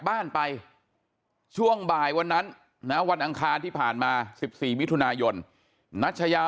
บ้านไปช่วงบ่ายวันนั้นนะวันอังคารที่ผ่านมา๑๔มิถุนายนนัชยา